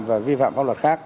và vi phạm pháp luật khác